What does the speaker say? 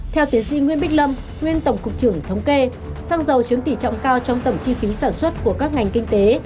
theo tiến sĩ nguyễn bích lâm nguyên tổng cục trưởng thống kê xăng dầu chiếm tỷ trọng cao trong tổng chi phí sản xuất của các ngành kinh tế